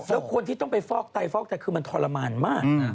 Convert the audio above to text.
แล้วคนที่ต้องไปฟอกไตฟอกไตคือมันทรมานมาก